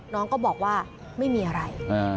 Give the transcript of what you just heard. น้องก็บอกว่าไม่มีอะไร